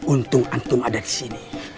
untung antum ada di sini